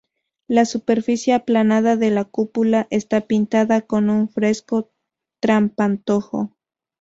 La superficie aplanada de la cúpula está pintada con un fresco trampantojo.